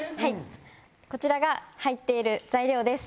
こちらが入っている材料です。